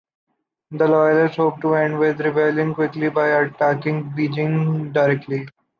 The loyalist hope to end with the rebellion quickly by attacking Beijing directly.